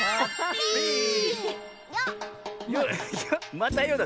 また「よ」だね。